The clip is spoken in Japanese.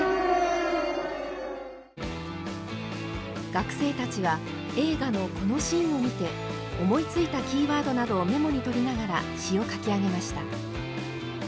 学生たちは映画のこのシーンを見て思いついたキーワードなどをメモにとりながら詩を書き上げました。